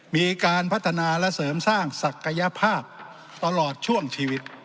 มีการพัฒนาและเสริมสร้างศักยภาพตลอดช่วงชีวิต